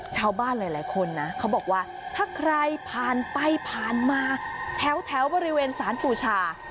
ชาวบ้านหลายคนนะเขาบอกว่าถ้าใครผ่านไปผ่านมาแถวบริเวณสารปูชา